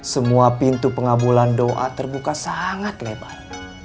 semua pintu pengabulan doa terbuka sangat lebar